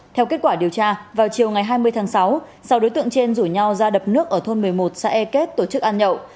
theo kết quả điều tra vào chiều ngày hai mươi tháng sáu sau đối tượng trên rủ nhau ra đập nước ở thôn một mươi một xã e kết tổ chức ăn nhậu